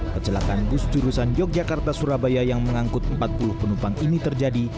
kecelakaan bus jurusan yogyakarta surabaya yang mengangkut empat puluh penumpang ini terjadi